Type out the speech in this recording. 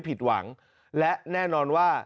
ผิดหวังและแน่นอนว่า